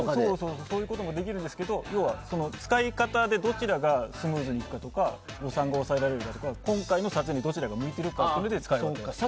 要は使い方でどちらがスムーズにいくかどうかとか予算が抑えられるかとか今回の撮影にどちらが向いているかというので使い分けます。